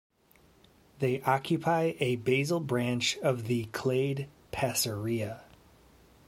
They occupy a basal branch of the clade Passerea.